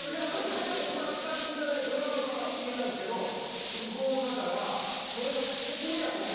全然僕は使っていただいていいですよって言うたんですけど向こうの方がそれは失礼やと思ったみたいなんですよ。